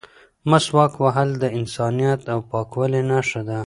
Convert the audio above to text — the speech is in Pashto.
مسواک وهل د انسانیت او پاکوالي نښه ده.